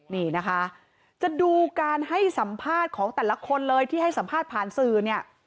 นี่นะคะจะดูการให้สัมภาษณ์ของแต่ละคนเลยที่ให้สัมภาษณ์ผ่านสื่อเนี่ย